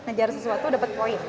ngejar sesuatu dapat poin